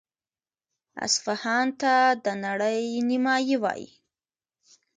اصفهان ته د نړۍ نیمایي وايي.